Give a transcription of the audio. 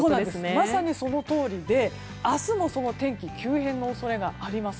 まさにそのとおりで明日も天気急変の恐れがあります。